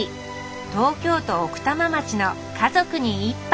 東京都奥多摩町の「家族に一杯」。